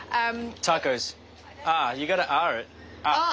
ああ。